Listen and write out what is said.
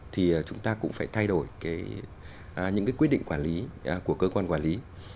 thì chúng ta cũng phải thay đổi những quyết định quản lý của cơ quan quản lý